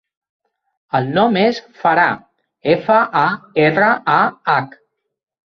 El nom és Farah: efa, a, erra, a, hac.